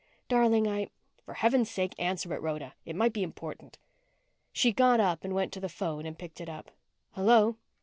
Darling, I " "For heaven's sake, answer it, Rhoda. It might be important." She got up, went to the phone and picked it up. "Hello."